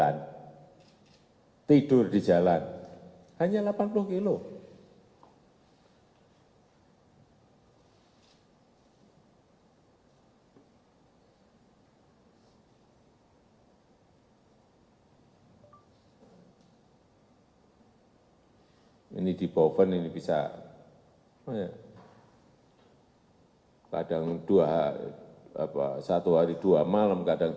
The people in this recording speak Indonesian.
untuk dari wilayah jambi sampai medan